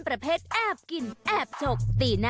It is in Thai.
แชร์แรกแยกไว้ก่อน